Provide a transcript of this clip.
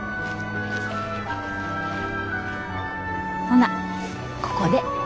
ほなここで。